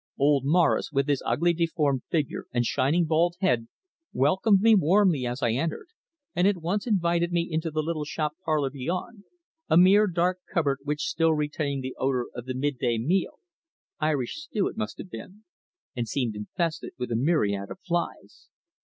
Old Morris, with his ugly, deformed figure and shining bald head, welcomed me warmly as I entered, and at once invited me into the little shop parlour beyond, a mere dark cupboard which still retained the odour of the midday meal Irish stew it must have been and seemed infested with a myriad of flies.